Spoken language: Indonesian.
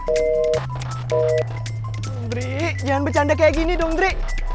undri jangan bercanda kayak gini dong undri